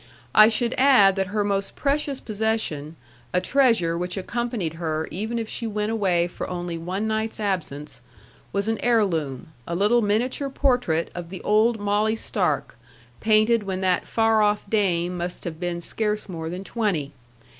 I should add that her most precious possession a treasure which accompanied her even if she went away for only one night's absence was an heirloom, a little miniature portrait of the old Molly Stark, painted when that far off dame must have been scarce more than twenty.